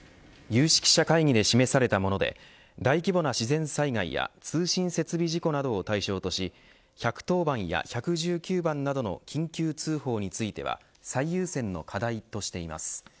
有識者会議で示されたもので大規模な自然災害や通信設備事故などを対象とし１１０番や１１９番などの緊急通報については最優先の課題としています。